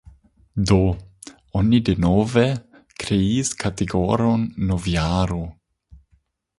Do, oni denove kreis kategorion "novjaro".